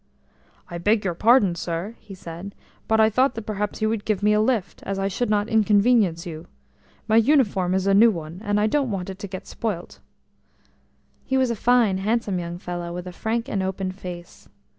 "I beg your pardon, sir," he said, "but I thought that perhaps you would give me a lift, as I should not inconvenience you. My uniform is a new one, and I don't want to get it spoilt." He was a fine, handsome young fellow, with a frank and open face.